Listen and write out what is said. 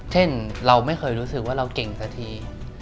เช่นเราไม่เคยรู้สึกว่าเราเก่งสักที